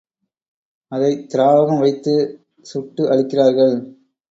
அதைத் திராவகம் வைத்துச் சுட்டு அழிக்கிறார்கள்.